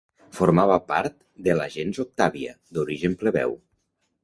Formava part de la gens Octàvia, d'origen plebeu.